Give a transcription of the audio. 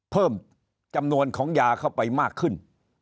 เพิ่มจำนวนของยาเข้าไปมากขึ้น